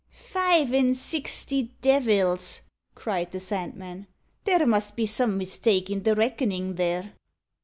"Five an' sixty devils!" cried the Sandman; "there must be some mistake i' the reckonin' there."